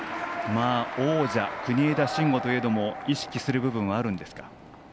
王者・国枝慎吾といえども意識する部分はあるんですか。